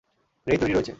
রেই তৈরি রয়েছে।